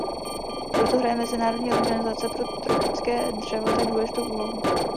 Proto hraje Mezinárodní organizace pro tropické dřevo tak důležitou úlohu.